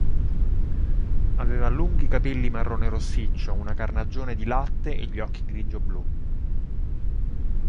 Aveva lunghi capelli marrone-rossiccio, una carnagione di latte e gli occhi grigio-blu.